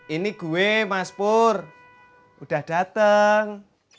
ini gue mas pur udah datang